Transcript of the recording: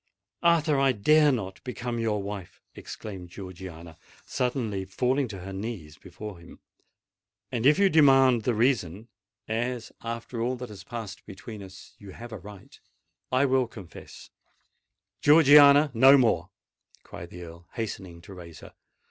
"Arthur, I dare not become your wife!" exclaimed Georgiana, suddenly falling upon her knees before him; "and if you demand the reason—as, after all that has passed between us, you have a right—I will confess——" "Georgiana, no more!" cried the Earl, hastening to raise her.